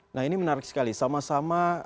nah ini menarik sekali sama sama